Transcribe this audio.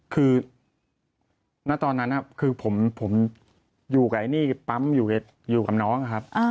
คือณตอนนั้นคือผมอยู่กับไอ้นี่ปั๊มอยู่กับน้องครับ